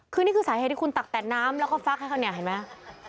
คือนี่คือสาเหตุที่คุณตักแต่น้ำแล้วก็ฟักให้เขาเนี่ยเห็นไหม